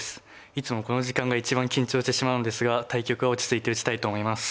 いつもこの時間が一番緊張してしまうんですが対局は落ち着いて打ちたいと思います。